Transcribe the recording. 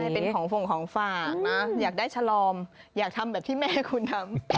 เป็นของฝงของฝากนะอยากได้ฉลอมอยากทำแบบที่แม่คุณทำ